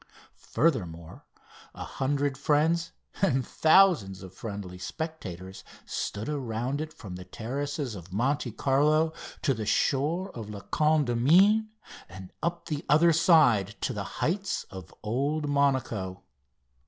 Furthermore, a hundred friends and thousands of friendly spectators stood around it from the terraces of Monte Carlo to the shore of La Condamine and up the other side to the heights of Old Monaco.